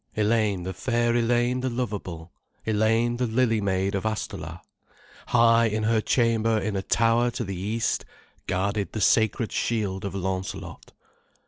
"Elaine the fair, Elaine the lovable, Elaine the lily maid of Astolat, High in her chamber in a tower to the east Guarded the sacred shield of Launcelot."